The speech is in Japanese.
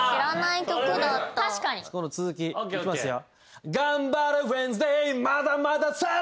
この続きいきますよ。